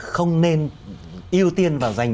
không nên ưu tiên và dành